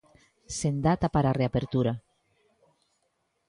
Sen data para a reapertura.